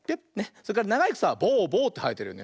それからながいくさはボゥボゥってはえてるよね。